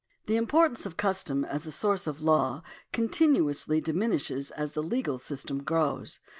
The importance of custom as a soiirce of law continuously diminishes as the legal system grows.